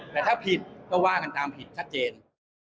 แต่ถ้าผิดก็ว่ากันตามผิดชัดเจน